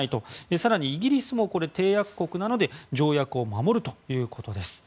更にイギリスも締約国なので条約を守るということです。